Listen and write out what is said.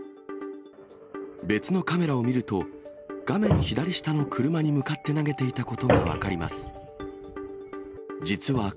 別のカメラを見ると、画面左下の車に向かって投げていたことが分かります。